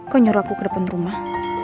kok nyor aku ke depan rumah